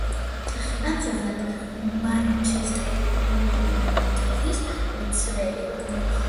ამჟამად „მანჩესტერ იუნაიტედის“ მცველი.